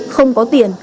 không có tiền